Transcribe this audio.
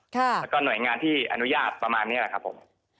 แล้วก็หน่วยงานที่อนุญาตประมาณนี้แหละครับผม